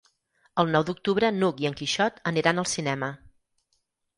El nou d'octubre n'Hug i en Quixot aniran al cinema.